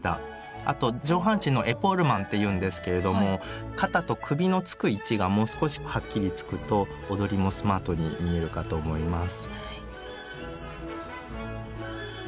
あと上半身のエポールマンっていうんですけれども肩と首のつく位置がもう少しはっきりつくと踊りもスマートに見えるかと思います。